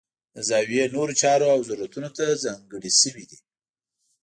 د زاویې نورو چارو او ضرورتونو ته ځانګړې شوي دي.